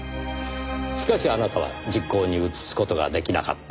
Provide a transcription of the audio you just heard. しかしあなたは実行に移す事が出来なかった。